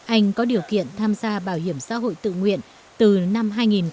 anh có điều kiện tham gia bảo hiểm xã hội tự nguyện từ năm hai nghìn một mươi